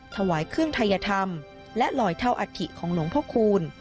ถวายเครื่องทัยธรรมและลอยเท่าอัฐิของหลวงพ่อคูณ